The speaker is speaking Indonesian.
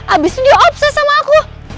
abis itu dia obses sama aku